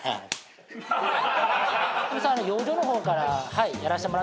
養生の方からやらせてもらっていいですかね。